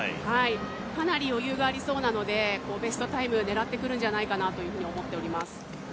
かなり余裕がありそうなのでベストタイム狙ってくるんじゃないかなと思っております。